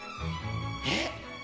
えっ。